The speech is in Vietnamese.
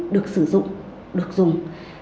được sử dụng được dùng